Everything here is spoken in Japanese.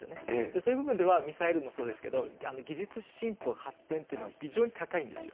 そういう部分では、ミサイルもそうですけど、技術進歩、発展っていうのは非常に高いんですよ。